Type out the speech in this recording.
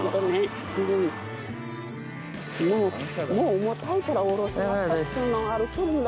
もう重たいから下ろしなさい。